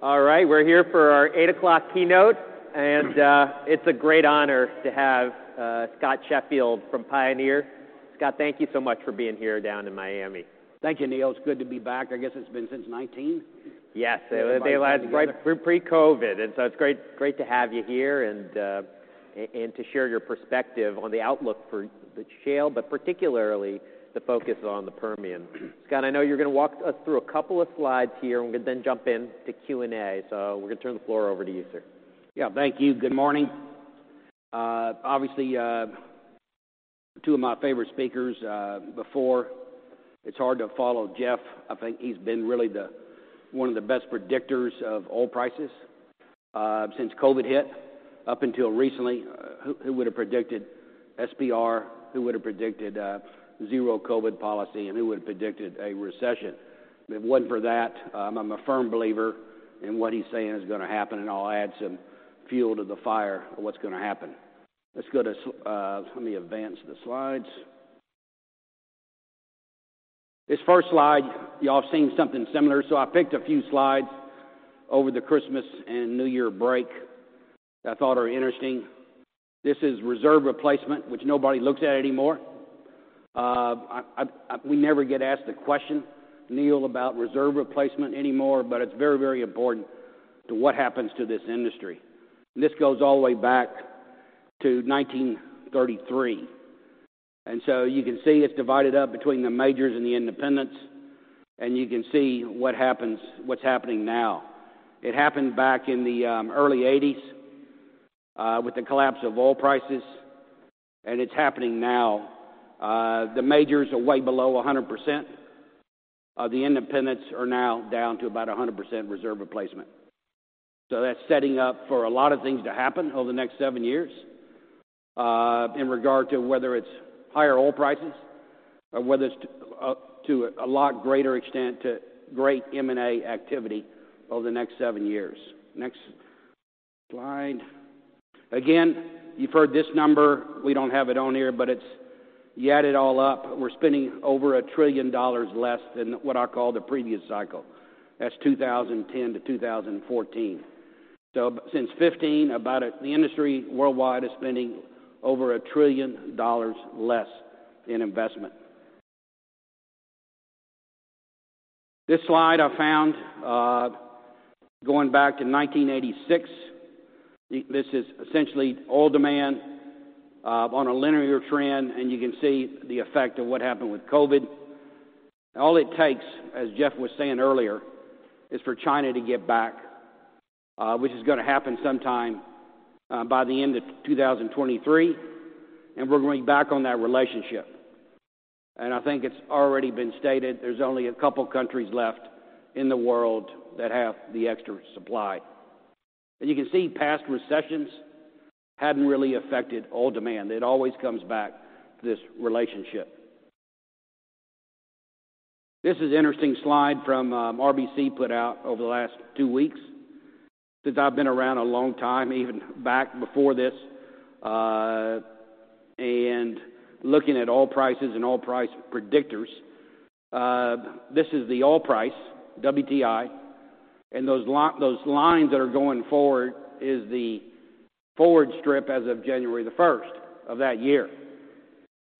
All right, we're here for our 8:00 keynote. It's a great honor to have Scott Sheffield from Pioneer. Scott, thank you so much for being here down in Miami. Thank you, Neil. It's good to be back. I guess it's been since 2019. Yes. It was pre-COVID. It's great to have you here and to share your perspective on the outlook for the shale, but particularly the focus on the Permian. Scott, I know you're going to walk us through a couple of slides here, and we can then jump into Q&A. We're going to turn the floor over to you, sir. Yeah, thank you. Good morning. Obviously, two of my favorite speakers before. It's hard to follow Jeff. I think he's been really the one of the best predictors of oil prices since COVID hit up until recently. Who would have predicted SPR? Who would have predicted a zero-COVID policy? Who would have predicted a recession? If it wasn't for that, I'm a firm believer in what he's saying is going to happen, and I'll add some fuel to the fire of what's going to happen. Let me advance the slides. This first slide, y'all have seen something similar. I picked a few slides over the Christmas and New Year break that I thought are interesting. This is reserve replacement, which nobody looks at anymore. We never get asked the question, Neil, about reserve replacement anymore, but it's very, very important to what happens to this industry. This goes all the way back to 1933. You can see it's divided up between the majors and the independents. You can see what happens, what's happening now. It happened back in the early '80s with the collapse of oil prices, and it's happening now. The majors are way below 100%. The independents are now down to about 100% reserve replacement. That's setting up for a lot of things to happen over the next seven years in regard to whether it's higher oil prices or whether it's to a lot greater extent to great M&A activity over the next seven years. Next slide. Again, you've heard this number. We don't have it on here, you add it all up. We're spending over $1 trillion less than what I call the previous cycle. That's 2010-2014. Since 2015, about the industry worldwide is spending over $1 trillion less in investment. This slide I found, going back to 1986. This is essentially oil demand on a linear trend. You can see the effect of what happened with COVID. All it takes, as Jeff was saying earlier, is for China to get back, which is gonna happen sometime by the end of 2023. We're going back on that relationship. I think it's already been stated there's only a couple of countries left in the world that have the extra supply. You can see past recessions hadn't really affected oil demand. It always comes back to this relationship. This is an interesting slide from RBC put out over the last two weeks. Since I've been around a long time, even back before this, and looking at oil prices and oil price predictors, this is the oil price, WTI, and those lines that are going forward is the forward strip as of January 1st of that year.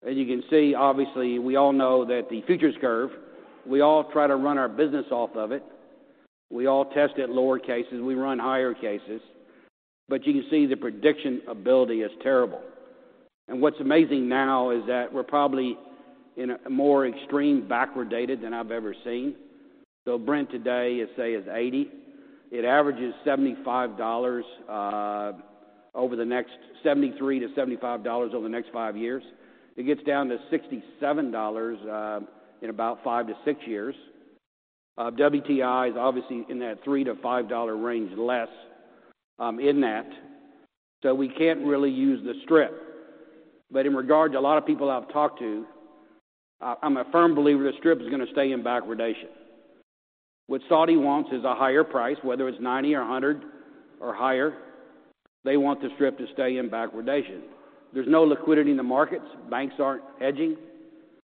You can see, obviously, we all know that the futures curve, we all try to run our business off of it. We all test at lower cases. We run higher cases. You can see the prediction ability is terrible. What's amazing now is that we're probably in a more extreme backwardation than I've ever seen. Brent today is, say, is $80. It averages $75, $73-$75 over the next five years. It gets down to $67 in about five to six years. WTI is obviously in that $3-$5 range less in that. We can't really use the strip. In regards to a lot of people I've talked to, I'm a firm believer the strip is going to stay in backwardation. What Saudi wants is a higher price, whether it's 90 or 100 or higher. They want the strip to stay in backwardation. There's no liquidity in the markets. Banks aren't hedging.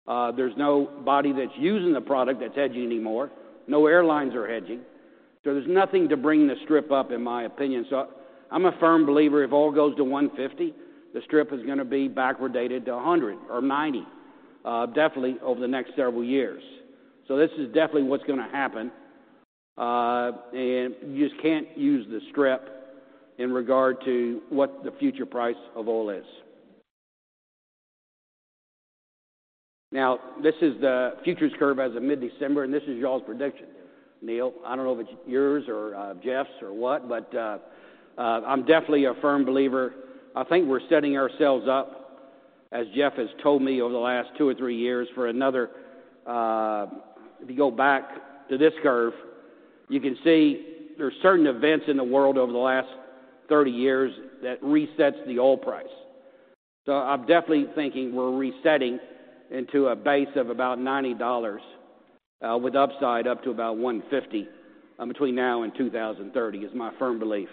There's nobody that's using the product that's hedging anymore. No airlines are hedging. There's nothing to bring the strip up, in my opinion. I'm a firm believer if oil goes to $150, the strip is gonna be backwardated to $100 or $90, definitely over the next several years. You just can't use the strip in regard to what the future price of oil is. Now, this is the futures curve as of mid-December, and this is y'all's prediction. Neil, I don't know if it's yours or Jeff's or what, but I'm definitely a firm believer. I think we're setting ourselves up, as Jeff has told me over the last two or three years, for another... If you go back to this curve, you can see there's certain events in the world over the last 30 years that resets the oil price. I'm definitely thinking we're resetting into a base of about $90, with upside up to about $150 between now and 2030 is my firm belief.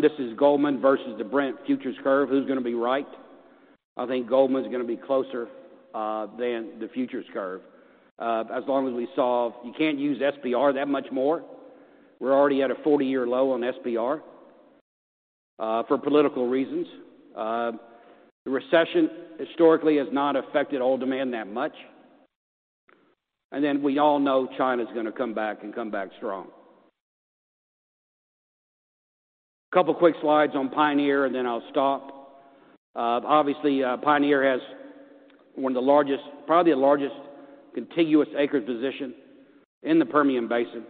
This is Goldman Sachs versus the Brent futures curve. Who's gonna be right? I think Goldman Sachs's gonna be closer than the futures curve. You can't use SPR that much more. We're already at a 40-year low on SPR for political reasons. The recession historically has not affected oil demand that much. Then we all know China's gonna come back and come back strong. Couple quick slides on Pioneer, and then I'll stop. Obviously, Pioneer has one of the largest, probably the largest contiguous acreage position in the Permian Basin.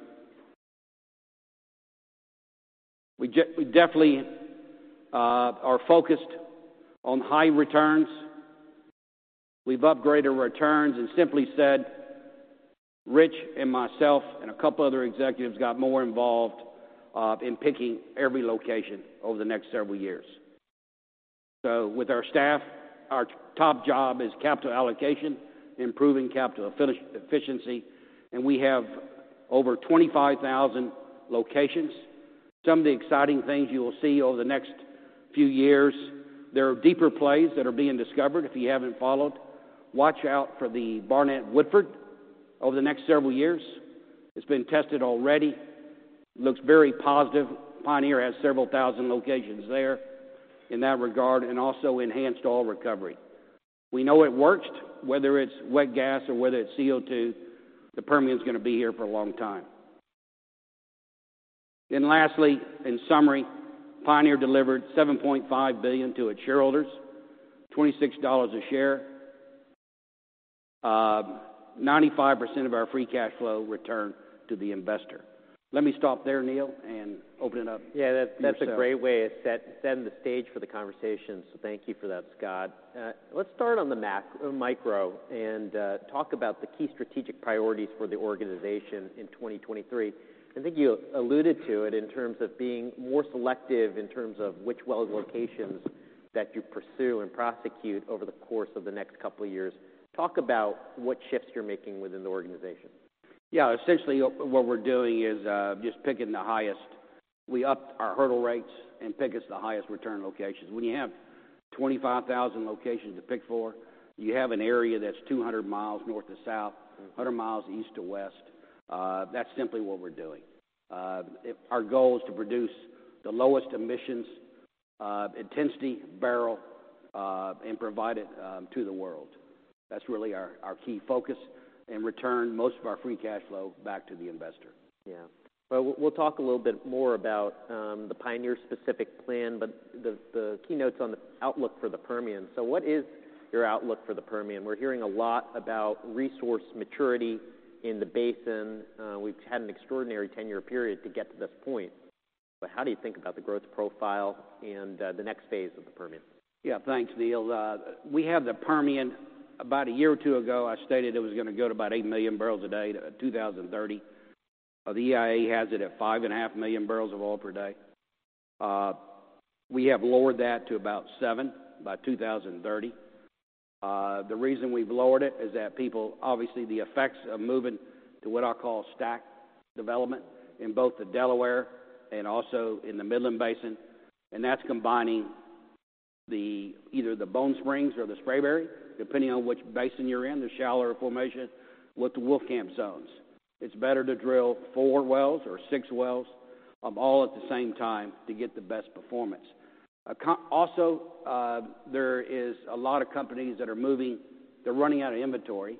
We definitely are focused on high returns. We've upgraded returns and simply said, Rich and myself and a couple other executives got more involved in picking every location over the next several years. With our staff, our top job is capital allocation, improving capital efficiency, and we have over 25,000 locations. Some of the exciting things you will see over the next few years, there are deeper plays that are being discovered, if you haven't followed. Watch out for the Barnett Woodford over the next several years. It's been tested already. Looks very positive. Pioneer has several thousand locations there in that regard, and also enhanced oil recovery. We know it works, whether it's wet gas or whether it's CO2, the Permian's gonna be here for a long time. Lastly, in summary, Pioneer delivered $7.5 billion to its shareholders, $26 a share. 95% of our free cash flow returned to the investor. Let me stop there, Neil, and open it up for yourself. Yeah, that's a great way to set the stage for the conversation. Thank you for that, Scott. Let's start on the micro and talk about the key strategic priorities for the organization in 2023. I think you alluded to it in terms of being more selective in terms of which well locations that you pursue and prosecute over the course of the next couple of years. Talk about what shifts you're making within the organization. Yeah. Essentially, what we're doing is just picking the highest. We upped our hurdle rates and pick us the highest return locations. When you have 25,000 locations to pick for, you have an area that's 200 mi north to south, 100 mi east to west, that's simply what we're doing. Our goal is to produce the lowest emissions intensity barrel and provide it to the world. That's really our key focus and return most of our free cash flow back to the investor. Yeah. Well, we'll talk a little bit more about the Pioneer specific plan, but the key notes on the outlook for the Permian. What is your outlook for the Permian? We're hearing a lot about resource maturity in the basin. We've had an extraordinary 10-year period to get to this point. How do you think about the growth profile and the next phase of the Permian? Thanks, Neil. We have the Permian. About a year or two ago, I stated it was gonna go to about eight million barrels a day to 2030. The EIA has it at five and a half million barrels of oil per day. We have lowered that to about seven by 2030. The reason we've lowered it is that obviously, the effects of moving to what I call stack development in both the Delaware and also in the Midland Basin, and that's combining the, either the Bone Springs or the Spraberry, depending on which basin you're in, the shallower formation with the Wolfcamp zones. It's better to drill four wells or six wells, all at the same time to get the best performance. There is a lot of companies that are moving. They're running out of inventory.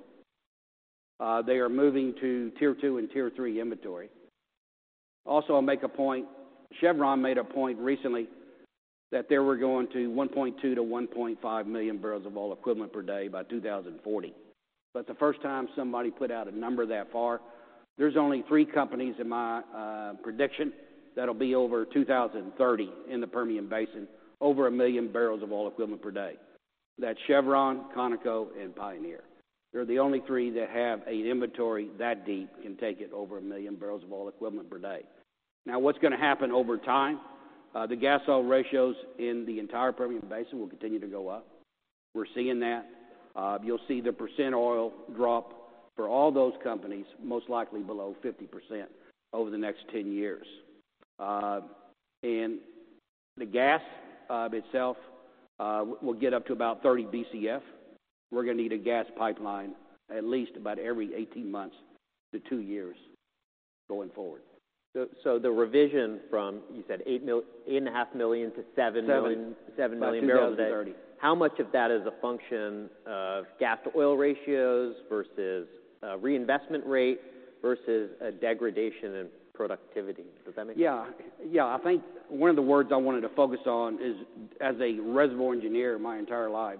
They are moving to tier two and tier three inventory. I'll make a point. Chevron made a point recently that they were going to 1.2 million-1.5 million barrels of oil equivalent per day by 2040. That's the first time somebody put out a number that far. There's only three companies in my prediction that'll be over 2030 in the Permian Basin, over a million barrels of oil equivalent per day. That's Chevron, Conoco, and Pioneer. They're the only three that have an inventory that deep can take it over a million barrels of oil equivalent per day. What's gonna happen over time? The gas-oil ratios in the entire Permian Basin will continue to go up. We're seeing that. You'll see the percent oil drop for all those companies, most likely below 50% over the next 10 years. The gas itself will get up to about 30 BCF. We're gonna need a gas pipeline at least about every 18 months to two years going forward. The revision from, you said eight and a half million to seven million- Seven. Seven million barrels a day. By 2030. How much of that is a function of gas-oil ratios versus reinvestment rate versus a degradation in productivity? Does that make sense? Yeah. Yeah. I think one of the words I wanted to focus on is, as a reservoir engineer my entire life,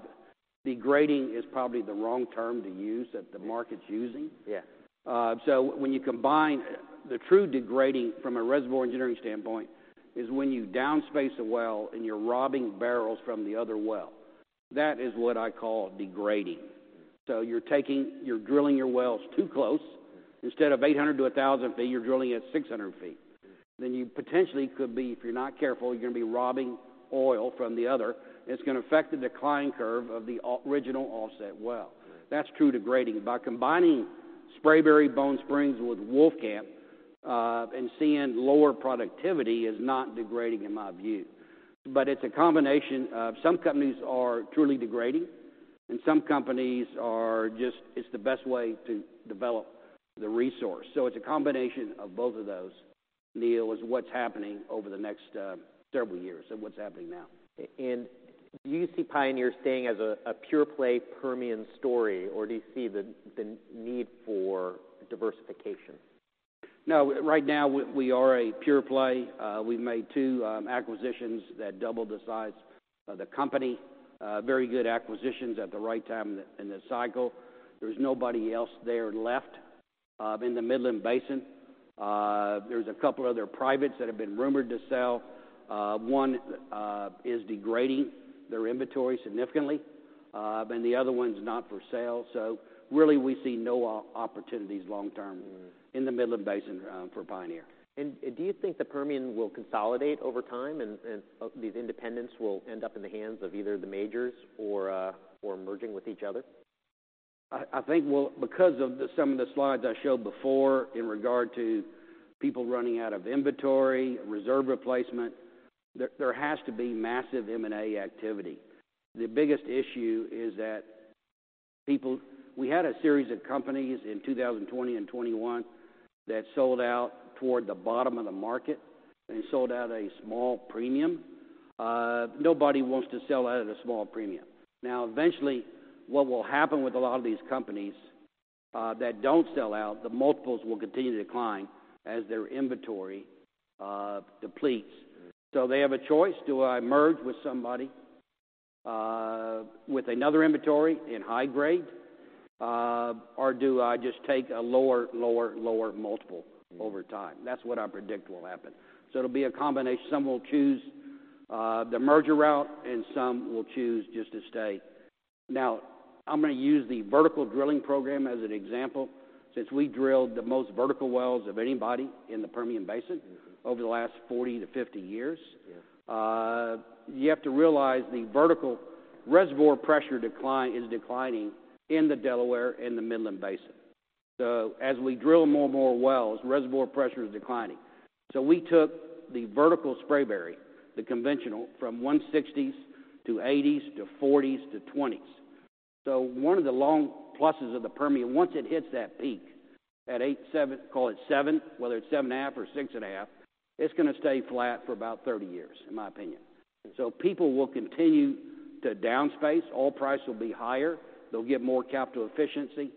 degrading is probably the wrong term to use that the market's using. Yeah. When you combine the true degrading from a reservoir engineering standpoint is when you downspace a well and you're robbing barrels from the other well. That is what I call degrading. You're drilling your wells too close. Instead of 800 ft to 1,000 ft, you're drilling at 600 ft. You potentially could be, if you're not careful, you're gonna be robbing oil from the other, and it's gonna affect the decline curve of the original offset well. Right. That's true degrading. By combining Spraberry Bone Spring with Wolfcamp, and seeing lower productivity is not degrading in my view. It's a combination of some companies are truly degrading and some companies are just... It's the best way to develop the resource. It's a combination of both of those, Neil, is what's happening over the next several years and what's happening now. Do you see Pioneer staying as a pure play Permian story? Or do you see the need for diversification? No, right now we are a pure play. We've made two acquisitions that double the size of the company. Very good acquisitions at the right time in the cycle. There's nobody else there left in the Midland Basin. There's a couple other privates that have been rumored to sell. One is degrading their inventory significantly, but the other one's not for sale. Really we see no opportunities long term. Mm. In the Midland Basin, for Pioneer. Do you think the Permian will consolidate over time and these independents will end up in the hands of either the majors or merging with each other? I think we'll... Because of some of the slides I showed before in regard to people running out of inventory, reserve replacement, there has to be massive M&A activity. The biggest issue is that We had a series of companies in 2020 and 2021 that sold out toward the bottom of the market and sold at a small premium. Nobody wants to sell out at a small premium. Now, eventually, what will happen with a lot of these companies that don't sell out, the multiples will continue to decline as their inventory depletes. Mm. They have a choice. Do I merge with somebody with another inventory in high grade or do I just take a lower multiple over time? Mm. That's what I predict will happen. It'll be a combination. Some will choose the merger route and some will choose just to stay. I'm gonna use the vertical drilling program as an example since we drilled the most vertical wells of anybody in the Permian Basin. Mm-hmm. over the last 40 to 50 years. Yeah. You have to realize the vertical reservoir pressure decline is declining in the Delaware and the Midland Basin. As we drill more and more wells, reservoir pressure is declining. We took the vertical Spraberry, the conventional, from 160s to 80s to 40s to 20s. One of the long pluses of the Permian, once it hits that peak at eight, seven, call it seven, whether it's 7.5 or 6.5, it's gonna stay flat for about 30 years, in my opinion. Okay. People will continue to downspace. Oil price will be higher. They'll get more capital efficiency.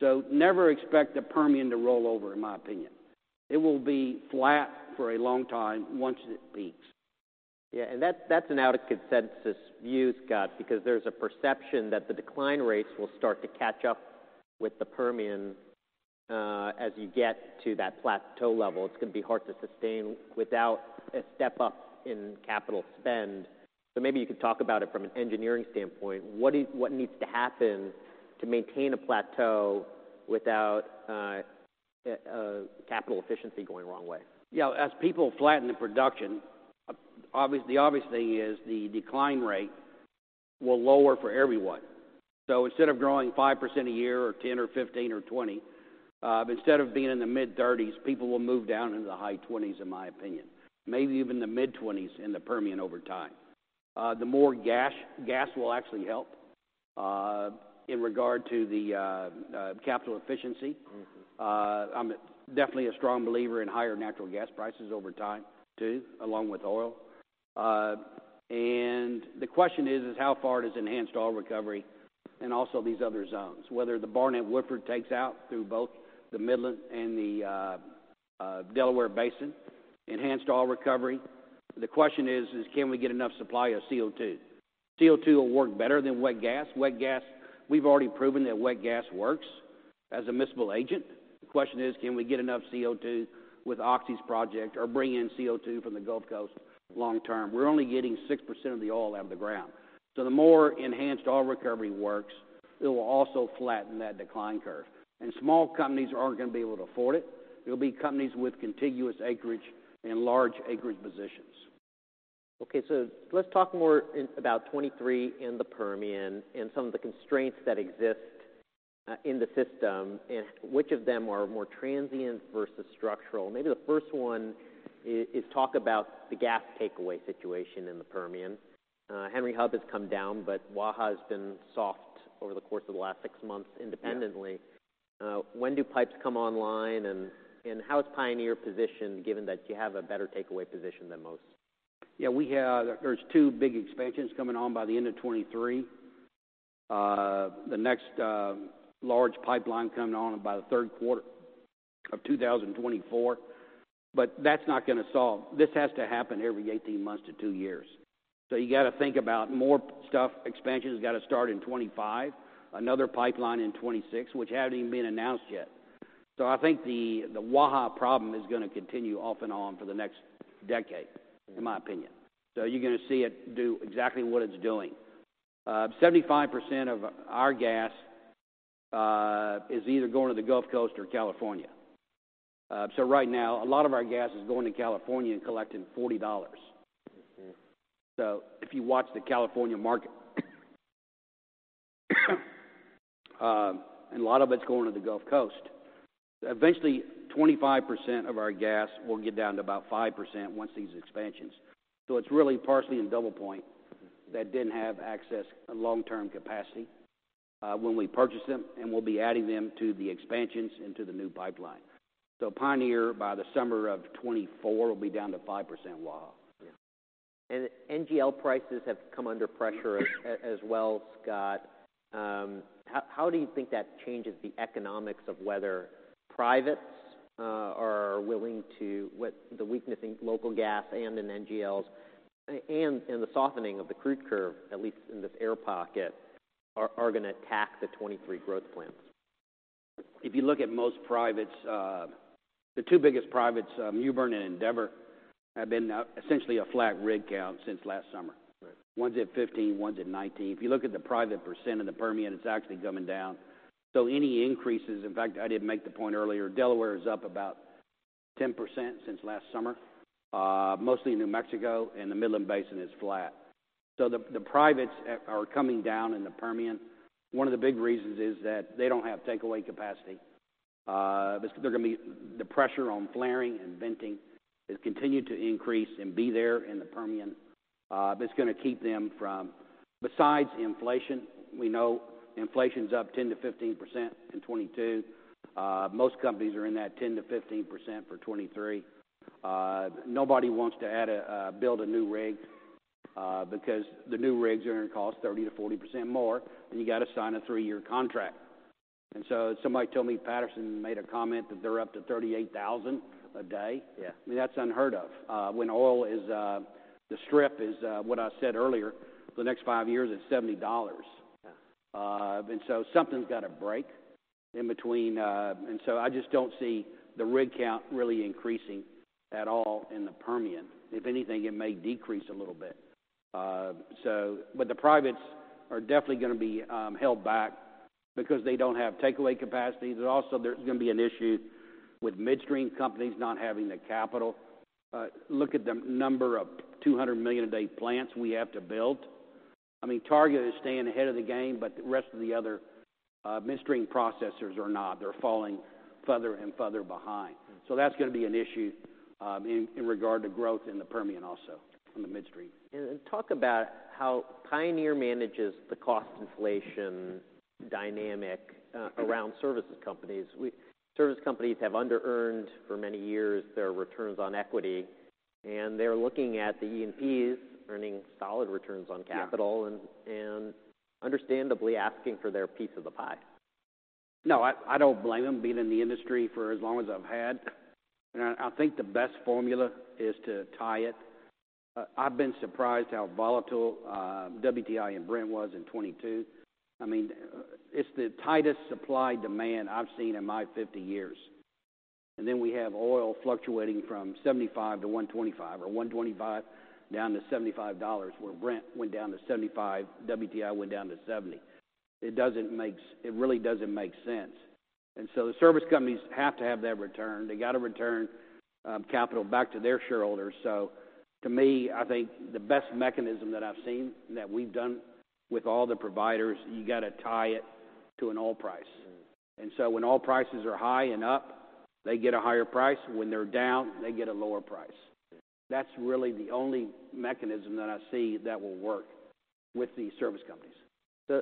Never expect the Permian to roll over, in my opinion. It will be flat for a long time once it peaks. Yeah, that's an out of consensus view, Scott, because there's a perception that the decline rates will start to catch up with the Permian, as you get to that plateau level. It's gonna be hard to sustain without a step up in capital spend. Maybe you could talk about it from an engineering standpoint. What needs to happen to maintain a plateau without capital efficiency going the wrong way? Yeah. As people flatten the production, the obvious thing is the decline rate will lower for everyone. Instead of growing 5% a year or 10 or 15 or 20, but instead of being in the mid-thirties, people will move down into the high twenties, in my opinion, maybe even the mid-twenties in the Permian over time. The more gas will actually help in regard to the capital efficiency. Mm-hmm. I'm definitely a strong believer in higher natural gas prices over time too, along with oil. The question is, how far does enhanced oil recovery and also these other zones, whether the Barnett Woodford takes out through both the Midland and the Delaware Basin, enhanced oil recovery. The question is, can we get enough supply of CO2? CO2 will work better than wet gas. Wet gas, we've already proven that wet gas works as a miscible agent. The question is, can we get enough CO2 with Oxy's project or bring in CO2 from the Gulf Coast long term? We're only getting 6% of the oil out of the ground. The more enhanced oil recovery works, it will also flatten that decline curve, and small companies aren't gonna be able to afford it. It'll be companies with contiguous acreage and large acreage positions. Let's talk more about 2023 in the Permian and some of the constraints that exist in the system and which of them are more transient versus structural. Maybe the first one is talk about the gas takeaway situation in the Permian. Henry Hub has come down, but Waha has been soft over the course of the last six months independently. Yeah. When do pipes come online and how is Pioneer positioned given that you have a better takeaway position than most? There's two big expansions coming on by the end of 2023. The next large pipeline coming on about the 3rd quarter of 2024. That's not gonna solve. This has to happen every 18 months to two years. You gotta think about more stuff. Expansion's gotta start in 2025, another pipeline in 2026, which haven't even been announced yet. I think the Waha problem is gonna continue off and on for the next decade. Mm-hmm. in my opinion. You're gonna see it do exactly what it's doing. 75% of our gas is either going to the Gulf Coast or California. Right now, a lot of our gas is going to California and collecting $40. If you watch the California market, and a lot of it's going to the Gulf Coast. Eventually, 25% of our gas will get down to about 5% once these expansions. It's really Parsley and DoublePoint that didn't have access to long-term capacity when we purchased them, and we'll be adding them to the expansions into the new pipeline. Pioneer, by the summer of 2024, will be down to 5% well. Yeah. NGL prices have come under pressure as well, Scott. How do you think that changes the economics of whether privates are willing to with the weakness in local gas and in NGLs and the softening of the crude curve, at least in this air pocket, are going to attack the 23 growth plans? If you look at most privates, the two biggest privates, Mewbourne Oil and Endeavor, have been, essentially a flat rig count since last summer. Right. One's at 15, one's at 19. If you look at the private percent of the Permian, it's actually coming down. Any increases... In fact, I did make the point earlier, Delaware Basin is up about 10% since last summer, mostly New Mexico, and the Midland Basin is flat. The privates are coming down in the Permian. One of the big reasons is that they don't have takeaway capacity. The pressure on flaring and venting has continued to increase and be there in the Permian. Besides inflation, we know inflation's up 10%-15% in 2022. Most companies are in that 10%-15% for 2023. Nobody wants to add a, build a new rig, because the new rigs are going to cost 30%-40% more, and you got to sign a three-year contract. Somebody told me Patterson made a comment that they're up to $38,000 a day. Yeah. I mean, that's unheard of. When oil is, the strip is, what I said earlier, for the next five years, it's $70. Yeah. Something's got to break in between. I just don't see the rig count really increasing at all in the Permian. If anything, it may decrease a little bit. The privates are definitely going to be held back because they don't have takeaway capacity. There's going to be an issue with midstream companies not having the capital. Look at the number of 200 million-a-day plants we have to build. I mean, Targa Resources is staying ahead of the game, but the rest of the other midstream processors are not. They're falling further and further behind. That's going to be an issue in regard to growth in the Permian also on the midstream. Talk about how Pioneer manages the cost inflation dynamic, around services companies. Service companies have under-earned for many years their returns on equity, and they're looking at the E&Ps earning solid returns on capital. Yeah. Understandably asking for their piece of the pie. No, I don't blame them, being in the industry for as long as I've had. I think the best formula is to tie it. I've been surprised how volatile WTI and Brent was in 2022. I mean, it's the tightest supply-demand I've seen in my 50 years. Then we have oil fluctuating from $75-$125, or $125 down to $75, where Brent went down to $75, WTI went down to $70. It doesn't make it really doesn't make sense. The service companies have to have that return. They got to return capital back to their shareholders. To me, I think the best mechanism that I've seen that we've done with all the providers, you got to tie it to an oil price. Mm-hmm. When oil prices are high and up, they get a higher price. When they're down, they get a lower price. Yeah. That's really the only mechanism that I see that will work with these service companies.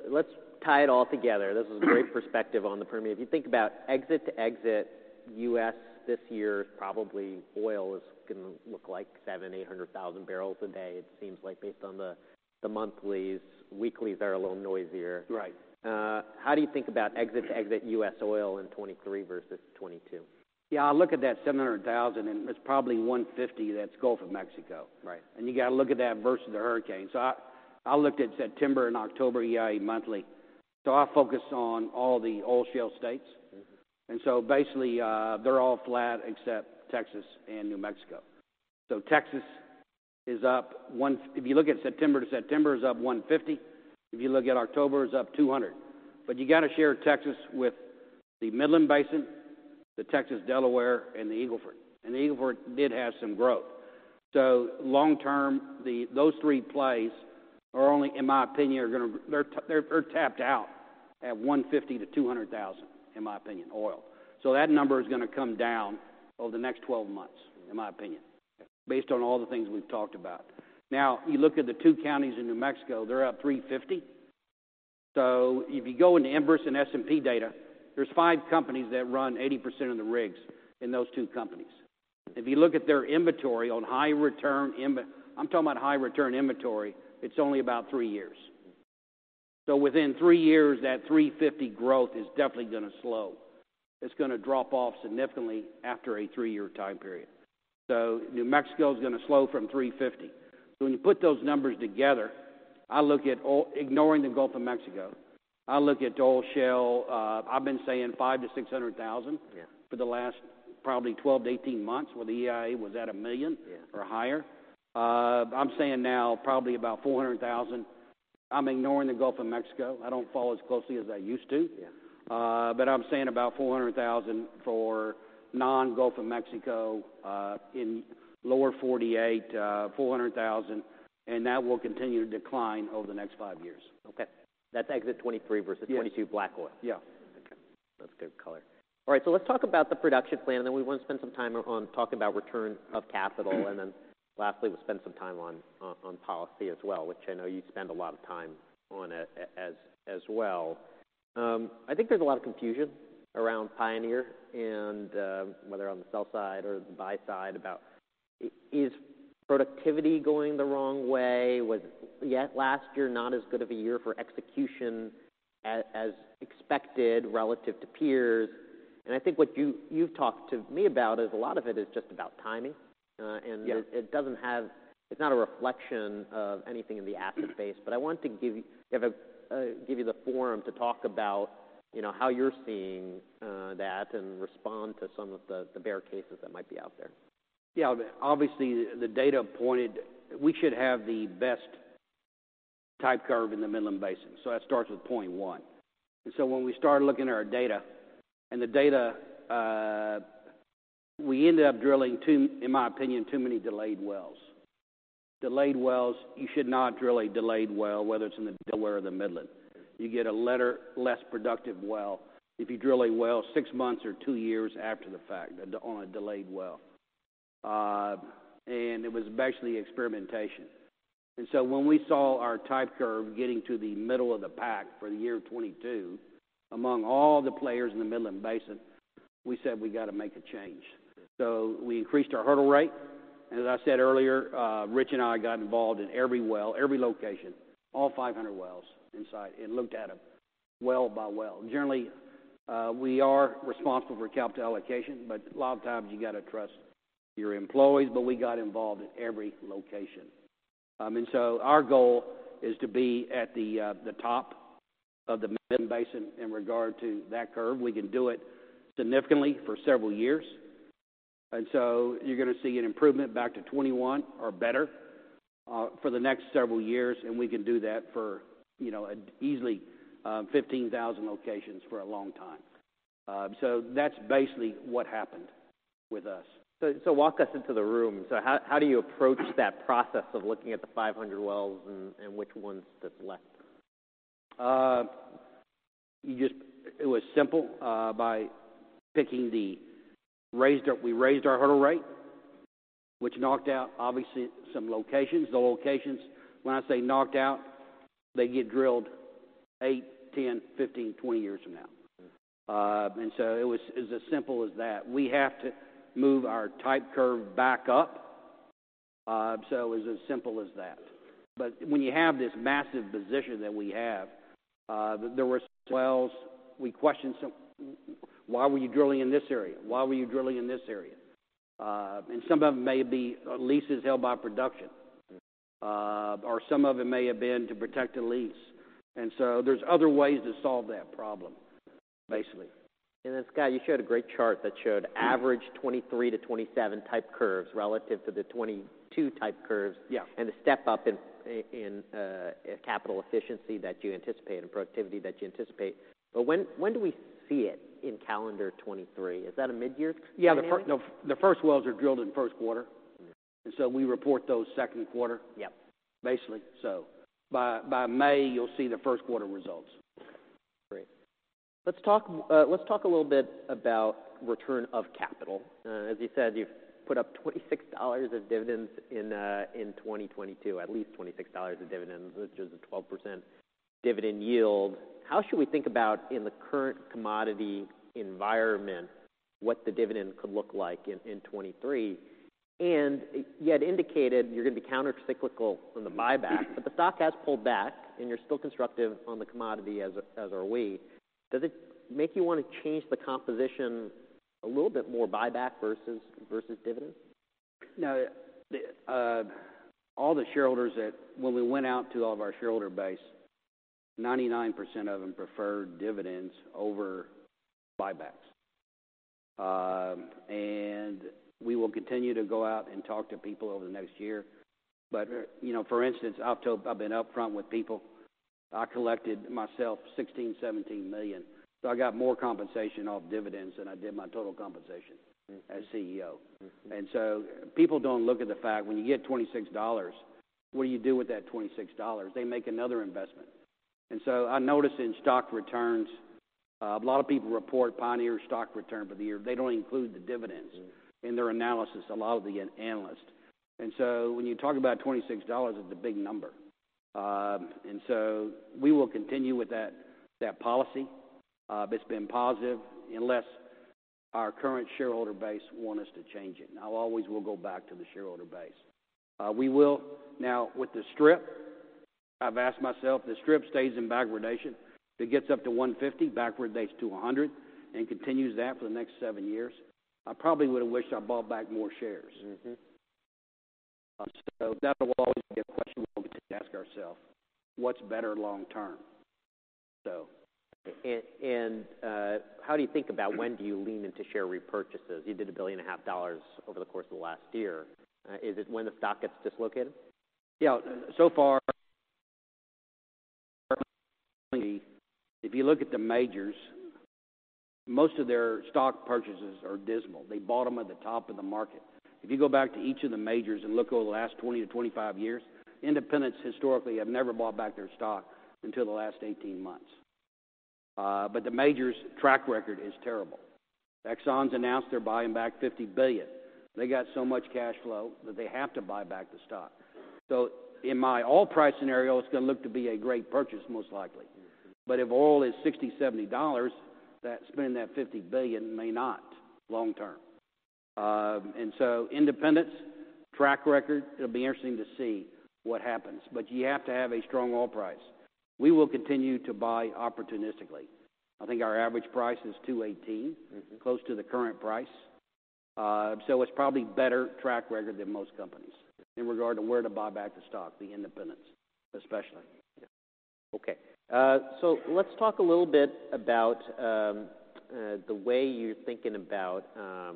Let's tie it all together. This is a great perspective on the Permian. If you think about exit to exit, U.S. this year is probably oil is gonna look like 700,000-800,000 barrels a day, it seems like based on the monthlies. Weeklies are a little noisier. Right. How do you think about exit to exit U.S. oil in 2023 versus 2022? Yeah, I look at that 700,000, and it's probably 150 that's Gulf of Mexico. Right. You got to look at that versus the hurricane. I looked at September and October EIA monthly. I focus on all the oil shale states. Mm-hmm. Basically, they're all flat except Texas and New Mexico. Texas is up. If you look at September to September, it's up 150. If you look at October, it's up 200. You got to share Texas with the Midland Basin, the Texas Delaware, and the Eagle Ford. The Eagle Ford did have some growth. Long term, those three plays are only, in my opinion, They're tapped out at 150,000-200,000, in my opinion, oil. That number is gonna come down over the next 12 months, in my opinion. Yeah. Based on all the things we've talked about. You look at the two counties in New Mexico, they're up 350. If you go into Enverus and S&P data, there's five companies that run 80% of the rigs in those two companies. If you look at their inventory on high return, I'm talking about high return inventory. It's only about three years. Within three years, that 350 growth is definitely gonna slow. It's gonna drop off significantly after a three-year time period. New Mexico is gonna slow from 350. When you put those numbers together, I look at oil. Ignoring the Gulf of Mexico, I look at oil shale. I've been saying 500,000-600,000. Yeah. For the last probably 12 to 18 months, where the EIA was at a million or higher. I'm saying now probably about 400,000. I'm ignoring the Gulf of Mexico. I don't follow as closely as I used to. Yeah. I'm saying about 400,000 for non-Gulf of Mexico, in Lower 48, 400,000, and that will continue to decline over the next five years. Okay. That's exit 2023 versus- Yes. 2022 black oil. Yeah. Okay. That's good color. Let's talk about the production plan. Then we want to spend some time on talking about return of capital. Lastly, we'll spend some time on policy as well, which I know you spend a lot of time on as well. I think there's a lot of confusion around Pioneer and whether on the sell side or the buy side about is productivity going the wrong way? Was last year not as good of a year for execution as expected relative to peers? I think what you've talked to me about is a lot of it is just about timing. Yeah. It's not a reflection of anything in the asset base. I want to give you the forum to talk about, you know, how you're seeing that and respond to some of the bear cases that might be out there. Yeah. Obviously, the data pointed we should have the best type curve in the Midland Basin. That starts with point one. When we started looking at our data, and the data, in my opinion, too many delayed wells. Delayed wells, you should not drill a delayed well, whether it's in the Delaware or the Midland. You get a letter less productive well if you drill a well six months or two years after the fact on a delayed well. It was basically experimentation. When we saw our type curve getting to the middle of the pack for the year 2022, among all the players in the Midland Basin, we said we got to make a change. We increased our hurdle rate. As I said earlier, Rich and I got involved in every well, every location, all 500 wells inside and looked at them well by well. Generally, we are responsible for capital allocation, but a lot of times you got to trust your employees, but we got involved in every location. Our goal is to be at the top of the Midland Basin in regard to that curve. We can do it significantly for several years. You're gonna see an improvement back to 21 or better for the next several years, and we can do that for, you know, easily, 15,000 locations for a long time. That's basically what happened with us. Walk us into the room. How do you approach that process of looking at the 500 wells and which ones to select? It was simple by picking we raised our hurdle rate, which knocked out, obviously some locations. The locations, when I say knocked out, they get drilled eight, 10, 15, 20 years from now. It was as simple as that. We have to move our type curve back up, so it was as simple as that. When you have this massive position that we have, there were some wells we questioned some, why were you drilling in this area? Why were you drilling in this area? Some of them may be leases held by production, or some of it may have been to protect a lease. There's other ways to solve that problem, basically. Scott, you showed a great chart that showed average 2023-2027 type curves relative to the 2022 type curves. Yeah. The step up in capital efficiency that you anticipate and productivity that you anticipate. When do we see it in calendar 2023? Is that a mid-year kind of thing? Yeah. The first wells are drilled in 1st quarter. Okay. We report those 2nd quarter. Yeah. Basically. By May, you'll see the 1st quarter results. Okay, great. Let's talk a little bit about return of capital. As you said, you've put up $26 of dividends in 2022, at least $26 of dividends, which is a 12% dividend yield. How should we think about in the current commodity environment, what the dividend could look like in 2023? You had indicated you're going to be countercyclical on the buyback, but the stock has pulled back and you're still constructive on the commodity, as are we. Does it make you want to change the composition a little bit more buyback versus dividends? No. All the shareholders that when we went out to all of our shareholder base, 99% of them preferred dividends over buybacks. We will continue to go out and talk to people over the next year. You know, for instance, I've been upfront with people. I collected myself $16 million-$17 million. I got more compensation off dividends than I did my total compensation as CEO. Mm-hmm. People don't look at the fact when you get $26, what do you do with that $26? They make another investment. I noticed in stock returns, a lot of people report Pioneer stock return for the year. They don't include the dividends in their analysis, a lot of the analysts. When you talk about $26, it's a big number. We will continue with that policy, that's been positive unless our current shareholder base want us to change it. I always will go back to the shareholder base. We will now with the strip, I've asked myself, the strip stays in backwardation. It gets up to $150, backwardates to $100, and continues that for the next seven years. I probably would have wished I bought back more shares. Mm-hmm. That will always be a question we'll continue to ask ourselves, what's better long term? How do you think about when do you lean into share repurchases? You did a billion and a half dollars over the course of the last year. Is it when the stock gets dislocated? Yeah. So far, if you look at the majors, most of their stock purchases are dismal. They bought them at the top of the market. If you go back to each of the majors and look over the last 20 to 25 years, independents historically have never bought back their stock until the last 18 months. The majors' track record is terrible. Exxon's announced they're buying back $50 billion. They got so much cash flow that they have to buy back the stock. In my oil price scenario, it's going to look to be a great purchase most likely. If oil is $60, $70, that spending that $50 billion may not long term. Independents' track record, it'll be interesting to see what happens, you have to have a strong oil price. We will continue to buy opportunistically. I think our average price is $218, close to the current price. It's probably better track record than most companies in regard to where to buy back the stock, the independents, especially. Let's talk a little bit about the way you're thinking about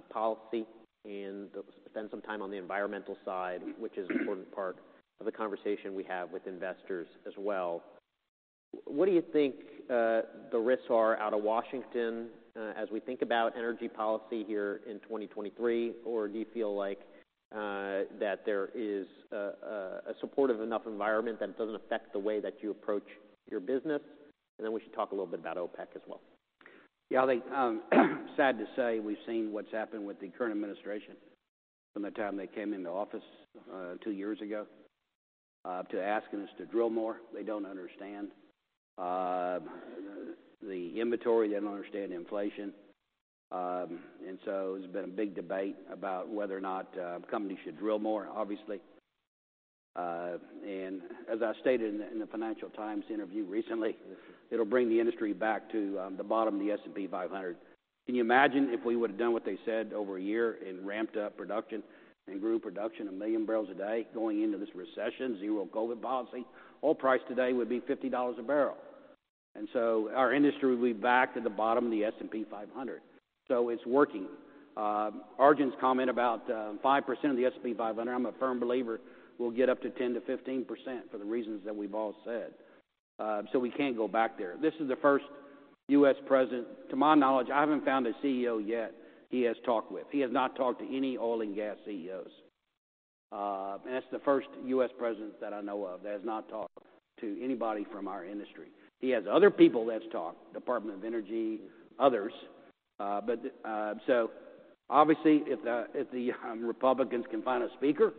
policy and spend some time on the environmental side, which is an important part of the conversation we have with investors as well. What do you think the risks are out of Washington as we think about energy policy here in 2023? Do you feel like that there is a supportive enough environment that it doesn't affect the way that you approach your business? We should talk a little bit about OPEC as well. Yeah. I think, sad to say, we've seen what's happened with the current administration from the time they came into office, two years ago, to asking us to drill more. They don't understand the inventory, they don't understand inflation. There's been a big debate about whether or not companies should drill more, obviously. As I stated in the Financial Times interview recently, it'll bring the industry back to the bottom of the S&P 500. Can you imagine if we would have done what they said over a year and ramped up production and grew production a million barrels a day going into this recession, zero-COVID policy? Oil price today would be $50 a barrel. Our industry would be back to the bottom of the S&P 500. It's working. Arjun's comment about 5% of the S&P 500, I'm a firm believer we'll get up to 10%-15% for the reasons that we've all said. We can't go back there. This is the first U.S. president, to my knowledge, I haven't found a CEO yet he has talked with. He has not talked to any oil and gas CEOs. That's the first U.S. president that I know of that has not talked to anybody from our industry. He has other people that's talked, Department of Energy, others. Obviously, if the Republicans can find a speaker,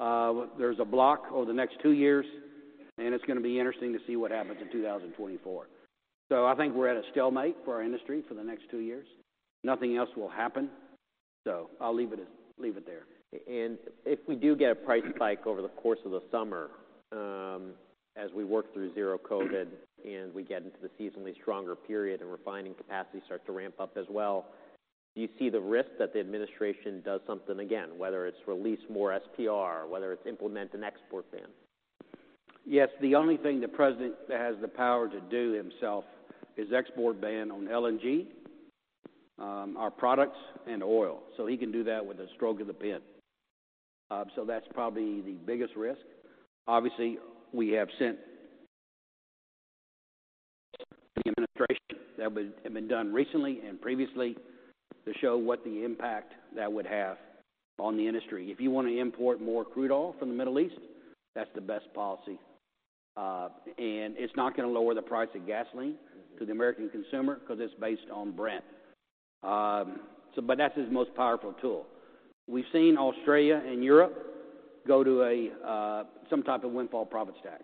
there's a block over the next two years, and it's going to be interesting to see what happens in 2024. I think we're at a stalemate for our industry for the next two years. Nothing else will happen. I'll leave it there. If we do get a price spike over the course of the summer, as we work through zero-COVID policy and we get into the seasonally stronger period and refining capacity start to ramp up as well, do you see the risk that the administration does something again, whether it's release more SPR, whether it's implement an export ban? Yes. The only thing the president has the power to do himself is export ban on LNG, our products and oil. He can do that with a stroke of the pen. That's probably the biggest risk. Obviously, we have sent the administration have been done recently and previously to show what the impact that would have on the industry. If you want to import more crude oil from the Middle East, that's the best policy. And it's not going to lower the price of gasoline to the American consumer because it's based on Brent. But that's his most powerful tool. We've seen Australia and Europe go to a some type of windfall profits tax.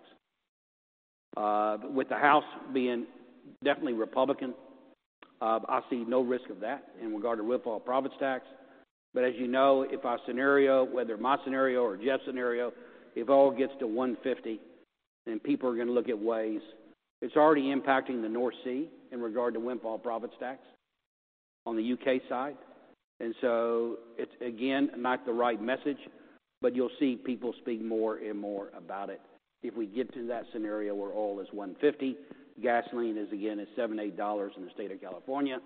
The House being definitely Republican, I see no risk of that in regard to windfall profits tax. As you know, if our scenario, whether my scenario or Jeff's scenario, if oil gets to $150, people are going to look at ways. It's already impacting the North Sea in regard to windfall profits tax on the U.K. side. It's again, not the right message, but you'll see people speak more and more about it. If we get to that scenario where oil is $150, gasoline is again at $7, $8 in the state of California.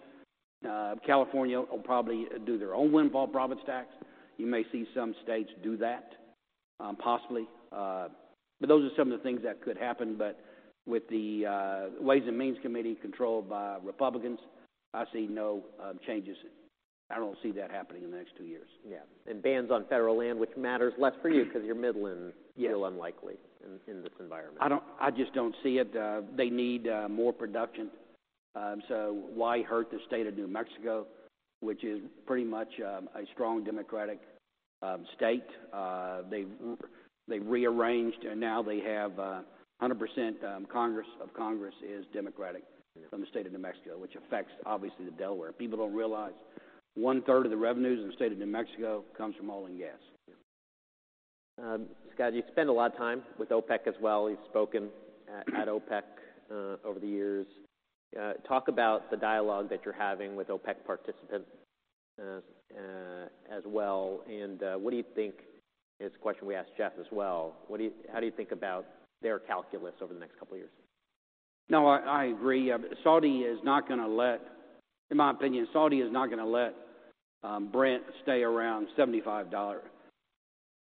California will probably do their own windfall profits tax. You may see some states do that, possibly. Those are some of the things that could happen. With the Ways and Means Committee controlled by Republicans, I see no changes. I don't see that happening in the next two years. Yeah. Bans on federal land, which matters less for you because you're Midland. Yes. Feel unlikely in this environment. I don't, I just don't see it. They need more production. Why hurt the state of New Mexico, which is pretty much a strong Democratic state? They've rearranged, and now they have 100% of Congress is Democratic from the state of New Mexico, which affects, obviously, the Delaware. People don't realize 1/3 of the revenues in the state of New Mexico comes from oil and gas. Scott, you spend a lot of time with OPEC as well. You've spoken at OPEC over the years. Talk about the dialogue that you're having with OPEC participants. As well. What do you think? It's a question we asked Jeff as well, how do you think about their calculus over the next couple of years? I agree. In my opinion, Saudi is not gonna let Brent stay around $75.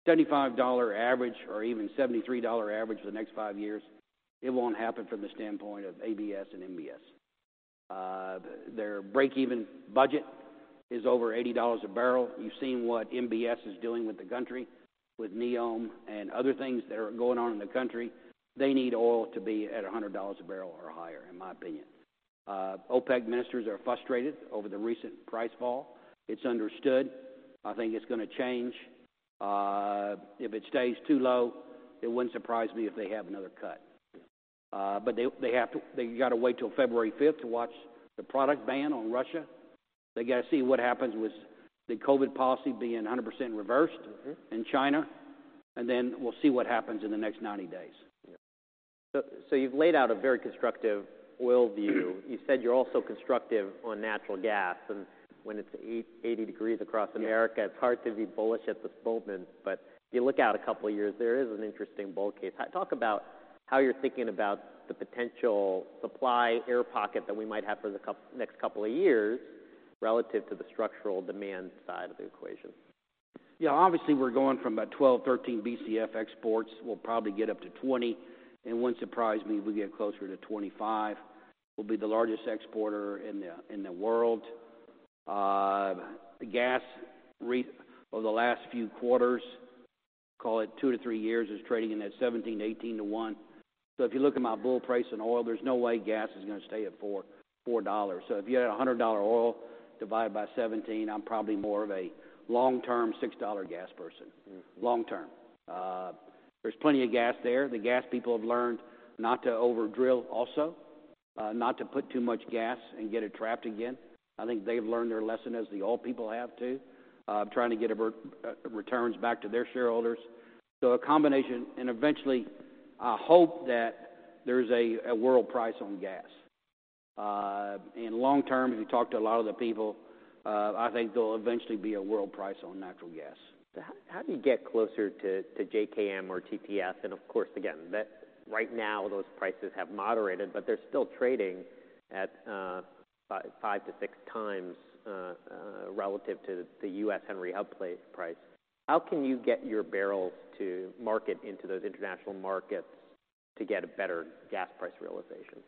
$75 average or even $73 average for the next five years, it won't happen from the standpoint of ABS and MBS. Their break-even budget is over $80 a barrel. You've seen what MBS is doing with the country with NEOM and other things that are going on in the country. They need oil to be at $100 a barrel or higher, in my opinion. OPEC ministers are frustrated over the recent price fall. It's understood. I think it's gonna change. If it stays too low, it wouldn't surprise me if they have another cut. They gotta wait till February 5th to watch the product ban on Russia. They got to see what happens with the COVID policy being 100% reversed. Mm-hmm In China, and then we'll see what happens in the next 90 days. Yeah. So you've laid out a very constructive oil view. You said you're also constructive on natural gas, and when it's 80 degrees across America- Yeah It's hard to be bullish at this moment. If you look out a couple of years, there is an interesting bull case. Talk about how you're thinking about the potential supply air pocket that we might have for the next couple of years relative to the structural demand side of the equation. Yeah, obviously we're going from about 12, 13 BCF exports. We'll probably get up to 20, and it wouldn't surprise me if we get closer to 25. We'll be the largest exporter in the, in the world. The gas over the last few quarters, call it two to three years, is trading in that 17, 18 to one. If you look at my bull price on oil, there's no way gas is gonna stay at $4, $4. If you had a $100 oil divided by 17, I'm probably more of a long-term $6 gas person. Mm. Long term. There's plenty of gas there. The gas people have learned not to over-drill also, not to put too much gas and get it trapped again. I think they've learned their lesson as the oil people have too, trying to get returns back to their shareholders. So a combination. Eventually, I hope that there's a world price on gas. In long term, if you talk to a lot of the people, I think there'll eventually be a world price on natural gas. How do you get closer to JKM or TTF? Of course, again, that right now those prices have moderated, but they're still trading at 5x to 6x relative to the U.S. Henry Hub price. How can you get your barrels to market into those international markets to get a better gas price realization?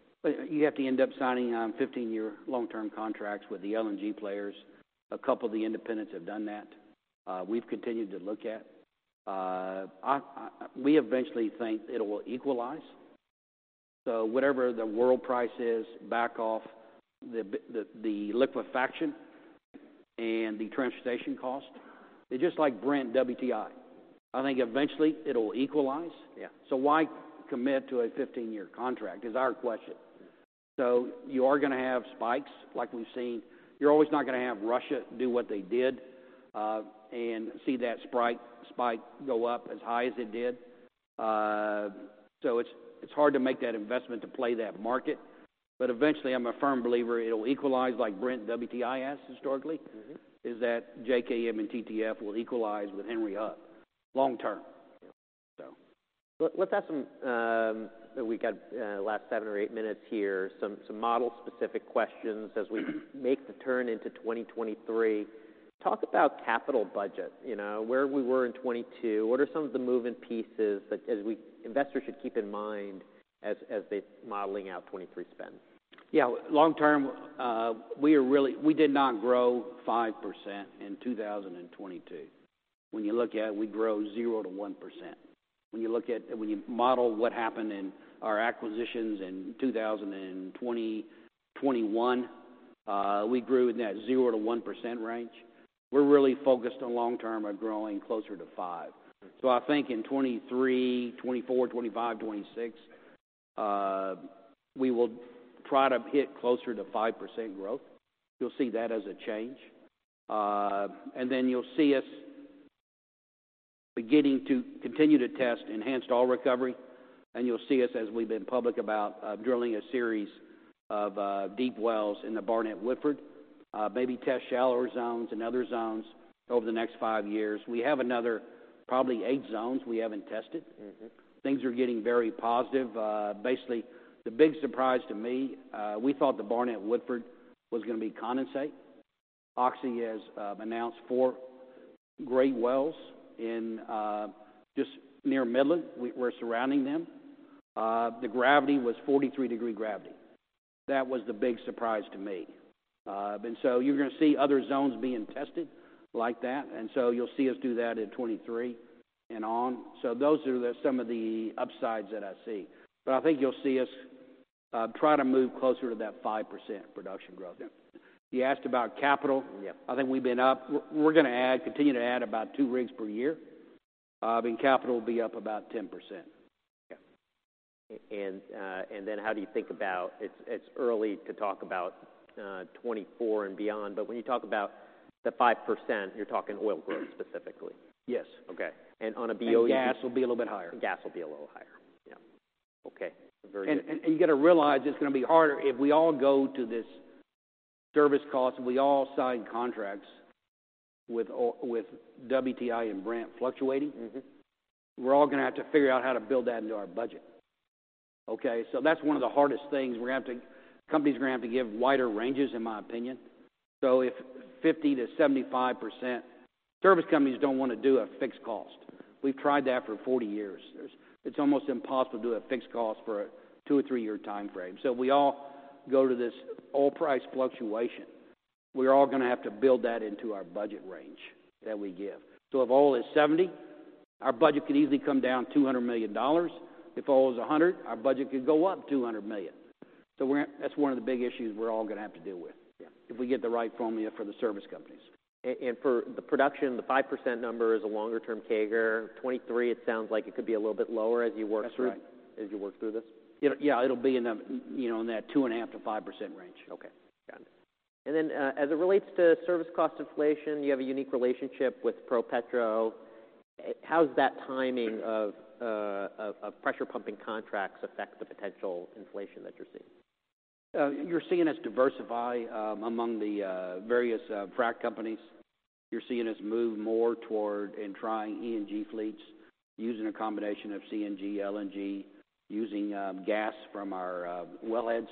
You have to end up signing on 15-year long-term contracts with the LNG players. A couple of the independents have done that. We've continued to look at. We eventually think it will equalize. Whatever the world price is, back off the liquefaction and the transportation cost. It's just like Brent WTI. I think eventually it'll equalize. Yeah. Why commit to a 15-year contract is our question. You are gonna have spikes like we've seen. You're always not gonna have Russia do what they did and see that spike go up as high as it did. It's hard to make that investment to play that market. Eventually, I'm a firm believer it'll equalize like Brent WTI has historically. Mm-hmm. Is that JKM and TTF will equalize with Henry Hub long term. Let's have some, we got, last seven or eight minutes here, some model-specific questions as we make the turn into 2023. Talk about capital budget, you know, where we were in 2022. What are some of the moving pieces that investors should keep in mind as they're modeling out 2023 spend? Yeah. Long term, we did not grow 5% in 2022. When you look at it, we grew 0%-1%. When you model what happened in our acquisitions in 2020, 2021, we grew in that 0%-1% range. We're really focused on long term of growing closer to 5%. I think in 2023, 2024, 2025, 2026, we will try to hit closer to 5% growth. You'll see that as a change. And then you'll see us beginning to continue to test enhanced oil recovery, and you'll see us, as we've been public about, drilling a series of deep wells in the Barnett Woodford, maybe test shallower zones and other zones over the next five years. We have another probably eight zones we haven't tested. Mm-hmm. Things are getting very positive. Basically, the big surprise to me, we thought the Barnett Woodford was gonna be condensate. Oxy has announced four great wells in just near Midland. We're surrounding them. The gravity was 43 degree gravity. That was the big surprise to me. You're gonna see other zones being tested like that, and so you'll see us do that in 2023 and on. Those are some of the upsides that I see. I think you'll see us try to move closer to that 5% production growth. Yeah. You asked about capital. Yeah. We're gonna add, continue to add about two rigs per year, being capital will be up about 10%. Yeah. How do you think about... It's, it's early to talk about 2024 and beyond, but when you talk about the 5%, you're talking oil growth specifically. Yes. Okay. Gas will be a little bit higher. Gas will be a little higher. Okay. Very good. You got to realize it's going to be harder if we all go to this service cost, if we all sign contracts with WTI and Brent fluctuating. Mm-hmm. We're all gonna have to figure out how to build that into our budget. Okay. That's one of the hardest things. We're gonna have to companies are gonna have to give wider ranges, in my opinion. If 50%-75%... Service companies don't want to do a fixed cost. We've tried that for 40 years. It's almost impossible to do a fixed cost for a two or three-year timeframe. We all go to this oil price fluctuation. We're all gonna have to build that into our budget range that we give. If oil is 70, our budget could easily come down $200 million. If oil is 100, our budget could go up $200 million. That's one of the big issues we're all gonna have to deal with. Yeah. If we get the right formula for the service companies. For the production, the 5% number is a longer-term CAGR. 2023, it sounds like it could be a little bit lower as you work through. That's right. As you work through this. You know, yeah, it'll be in the, you know, in that 2.5%-5% range. Okay. Got it. As it relates to service cost inflation, you have a unique relationship with ProPetro. How's that timing of pressure pumping contracts affect the potential inflation that you're seeing? You're seeing us diversify, among the various frac companies. You're seeing us move more toward and trying NGV fleets using a combination of CNG, LNG, using gas from our well heads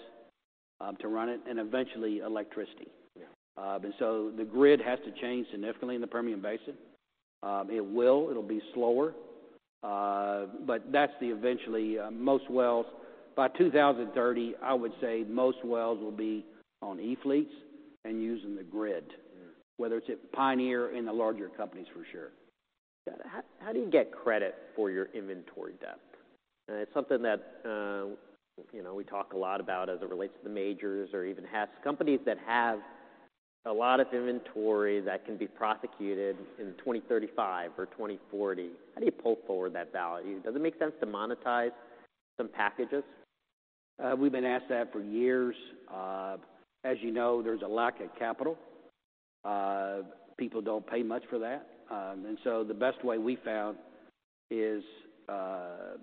to run it, and eventually electricity. Yeah. The grid has to change significantly in the Permian Basin. It will. It'll be slower. That's the eventually, most wells. By 2030, I would say most wells will be on e-fleets and using the grid. Yeah. Whether it's at Pioneer in the larger companies, for sure. How do you get credit for your inventory debt? It's something that, you know, we talk a lot about as it relates to the majors or even has companies that have a lot of inventory that can be prosecuted in 2035 or 2040. How do you pull forward that value? Does it make sense to monetize some packages? We've been asked that for years. As you know, there's a lack of capital. People don't pay much for that. The best way we found is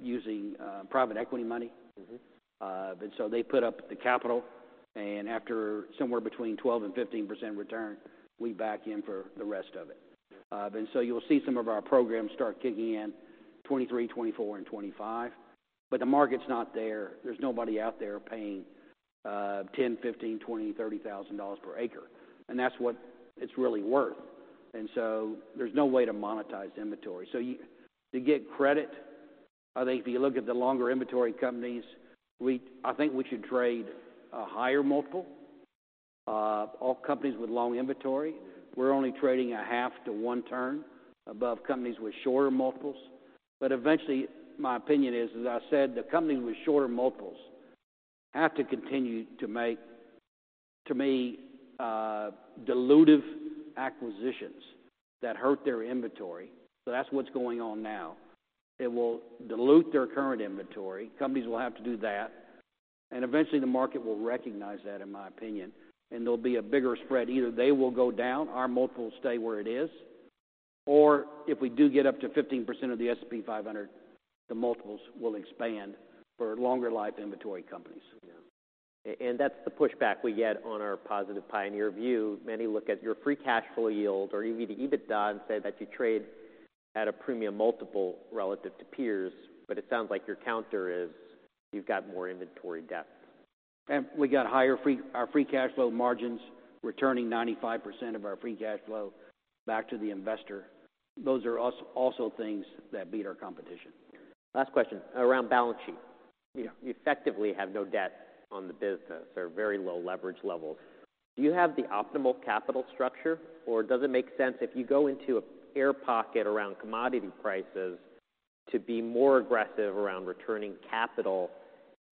using private equity money. Mm-hmm. They put up the capital, and after somewhere between 12% and 15% return, we back in for the rest of it. You'll see some of our programs start kicking in 2023, 2024, and 2025. The market's not there. There's nobody out there paying $10,000, $15,000, $20,000, $30,000 per acre. That's what it's really worth. There's no way to monetize inventory. To get credit, I think if you look at the longer inventory companies, I think we should trade a higher multiple. All companies with long inventory, we're only trading a half to one turn above companies with shorter multiples. Eventually, my opinion is, as I said, the companies with shorter multiples have to continue to make, to me, dilutive acquisitions that hurt their inventory. That's what's going on now. It will dilute their current inventory. Companies will have to do that, and eventually the market will recognize that, in my opinion, and there'll be a bigger spread. Either they will go down, our multiple will stay where it is, or if we do get up to 15% of the S&P 500, the multiples will expand for longer life inventory companies. Yeah. That's the pushback we get on our positive Pioneer view. Many look at your free cash flow yield or even the EBITDA and say that you trade at a premium multiple relative to peers, but it sounds like your counter is you've got more inventory depth. We got higher free cash flow margins returning 95% of our free cash flow back to the investor. Those are also things that beat our competition. Last question. Around balance sheet. Yeah. You effectively have no debt on the business or very low leverage levels. Do you have the optimal capital structure, or does it make sense if you go into an air pocket around commodity prices to be more aggressive around returning capital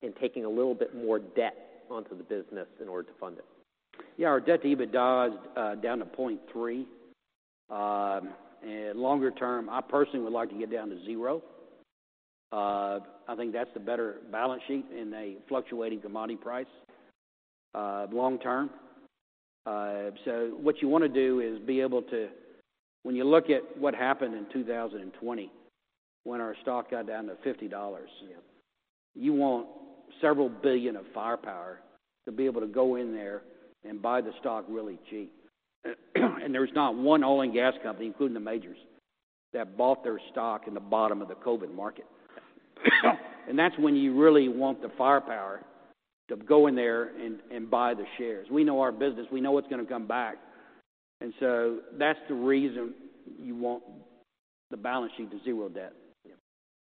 and taking a little bit more debt onto the business in order to fund it? Yeah, our debt-to-EBITDA is down to 0.3. Longer term, I personally would like to get down to zero. I think that's the better balance sheet in a fluctuating commodity price, long term. What you wanna do is be able to. When you look at what happened in 2020 when our stock got down to $50. Yeah. You want several billion of firepower to be able to go in there and buy the stock really cheap. There's not one oil and gas company, including the majors, that bought their stock in the bottom of the COVID market. That's when you really want the firepower to go in there and buy the shares. We know our business. We know it's gonna come back. That's the reason you want the balance sheet to zero debt. Yeah.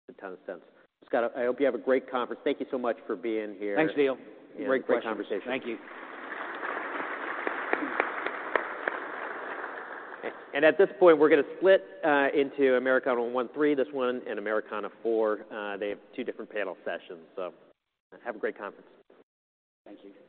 A ton of sense. Scott, I hope you have a great conference. Thank you so much for being here. Thanks, Neil. Great questions. Great conversation. Thank you. At this point, we're gonna split into Americana 1, 3, this one, and Americana 4. They have two different panel sessions. Have a great conference. Thank you.